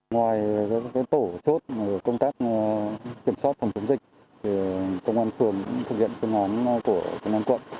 ngoài tổ chốt công tác kiểm soát phòng chống dịch công an phường cũng thực hiện phương án của công an quận